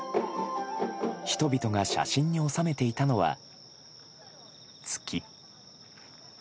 人々が写真に収めていたのは、月。